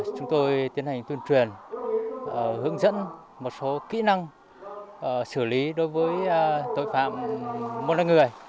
chúng tôi tiến hành tuyên truyền hướng dẫn một số kỹ năng xử lý đối với tội phạm mua bán người